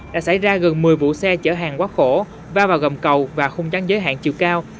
đã xảy ra gần một mươi vụ xe chở hàng quá khổ va vào gầm cầu và không gian giới hạn chiều cao